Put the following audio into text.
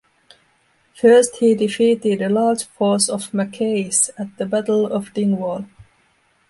First he defeated a large force of Mackays at the Battle of Dingwall.